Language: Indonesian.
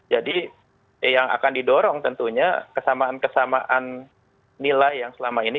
jadi yang akan didorong tentunya kesamaan kesamaan nilai yang selama ini